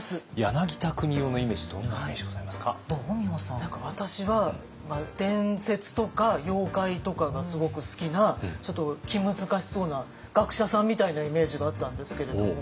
何か私は伝説とか妖怪とかがすごく好きなちょっと気難しそうな学者さんみたいなイメージがあったんですけれども。